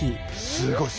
すごい！